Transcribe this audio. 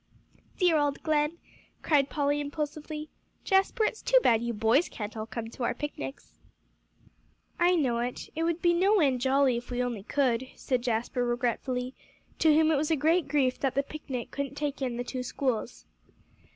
"Dear old Glen!" cried Polly impulsively. "Jasper, it's too bad you boys can't all come to our picnics." "I know it. It would be no end jolly if we only could," said Jasper regretfully, to whom it was a great grief that the picnic couldn't take in the two schools.